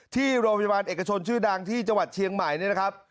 ที่โรงพยาบาลเอกชนชื่อดังที่จังหวัดเชียงใหม่เนี่ยนะครับ